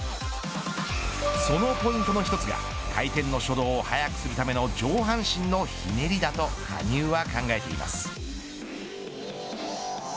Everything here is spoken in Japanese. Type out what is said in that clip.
そのポイントの１つが回転の初動を速くするための上半身のひねりだと羽生は考えています。